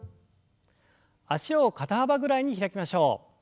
脚を肩幅ぐらいに開きましょう。